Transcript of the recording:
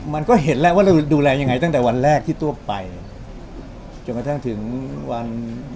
มันก็เห็นแล้วว่าเราดูแลยังไงตั้งแต่วันแรกที่ทั่วไปจนกระทั่งถึงวัน